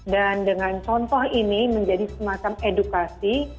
dan dengan contoh ini menjadi semacam edukasi